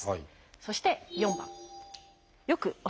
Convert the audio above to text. そして４番。